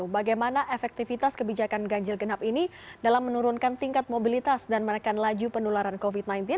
bagaimana efektivitas kebijakan ganjil genap ini dalam menurunkan tingkat mobilitas dan menekan laju penularan covid sembilan belas